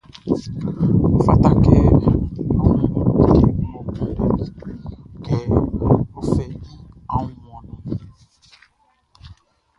Ɔ fata kɛ ɔ wun like ngʼɔ kunndɛliʼn, kɛ ɔ fɛ i annunmanʼn.